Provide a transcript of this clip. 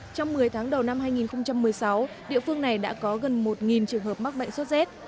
trong một mươi tháng đầu năm hai nghìn một mươi sáu địa phương này đã có gần một trường hợp mắc bệnh sốt rét